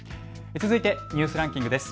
続いてニュースランキングです。